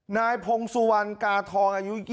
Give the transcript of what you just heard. นายพงสุวรรณกาทองอายุ๒๒